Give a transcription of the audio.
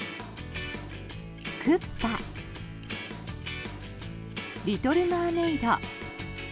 クッパ「リトル・マーメイド」